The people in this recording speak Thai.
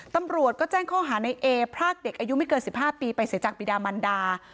ตำรวจก็แจ้งข้อหาในเอพรากเด็กอายุไม่เกิน๑๕ปีไปเสียจากปีดามันดา